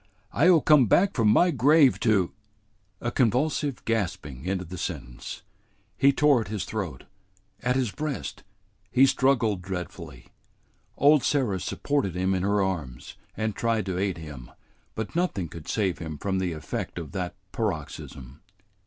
I'll come back from my grave to " A convulsive gasping ended the sentence. He tore at his throat, at his breast, he struggled dreadfully. Old Sarah supported him in her arms, and tried to aid him, but nothing could save him from the effect of that paroxysm.